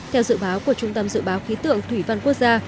theo dự báo của trung tâm dự báo khí tượng thủy văn quốc gia